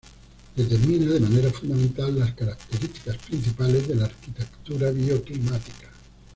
Determina de manera fundamental, las características principales de la arquitectura bioclimática.